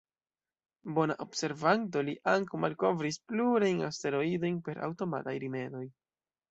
Bona observanto, li ankaŭ malkovris plurajn asteroidojn per aŭtomataj rimedoj.